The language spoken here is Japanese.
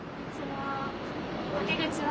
こんにちは。